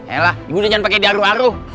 eh lah juga jangan pakai diaru aru